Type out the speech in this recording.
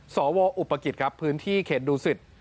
สวอุปกฤษพื้นที่เข็ดดูสิทธิ์